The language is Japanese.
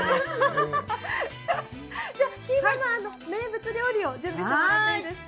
ではきいママ、名物料理を準備してもらっていいですか？